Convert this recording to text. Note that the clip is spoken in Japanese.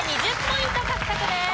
２０ポイント獲得です。